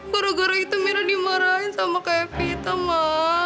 goro goro itu mira dimarahin sama kak evita ma